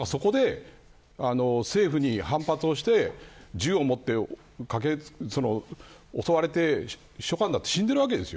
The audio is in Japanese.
そこで政府に反発して銃を持って襲われて秘書官だって死んでるわけです。